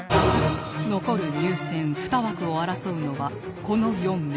残る入選２枠を争うのはこの４名